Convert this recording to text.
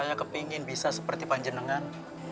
saya kepingin bisa seperti panjenengan baca itu apa ya